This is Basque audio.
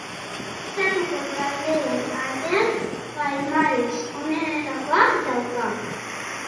Estatuko taldeen artean palmares onenetakoa dauka.